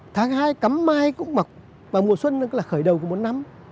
tháng hai cấm mai cũng mọc và mùa xuân là khởi đầu của một năm